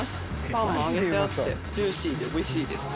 パンも揚げてあってジューシーでおいしいです。